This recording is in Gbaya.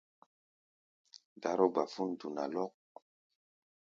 Dáró-gbafón duna lɔ́k.